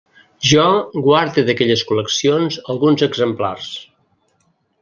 Jo guarde d'aquelles col·leccions alguns exemplars.